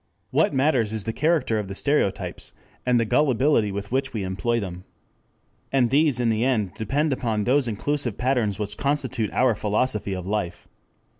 What matters is the character of the stereotypes, and the gullibility with which we employ them. And these in the end depend upon those inclusive patterns which constitute our philosophy of life.